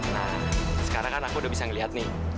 nah sekarang kan aku udah bisa ngeliat nih